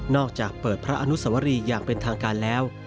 อกจากเปิดพระอนุสวรีอย่างเป็นทางการแล้ว